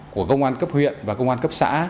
của công an cấp huyện và công an cấp xã